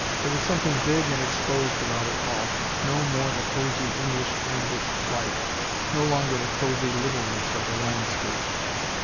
There was something big and exposed about it all. No more the cosy English ambushed life, no longer the cosy littleness of the landscape.